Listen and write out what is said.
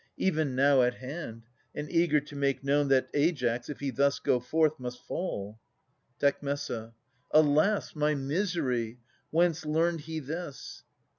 Even now at hand, and eager to make known That Aias, if he thus go forth, must fall. Tec. Alas ! my misery ! Whence learned he this